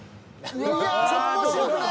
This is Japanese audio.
面白くない。